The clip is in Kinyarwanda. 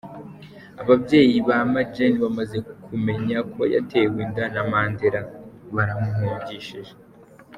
a Ababyeyi ba Majeni bamaze kumenya ko yatewe inda na Mandela, baramuhungishije .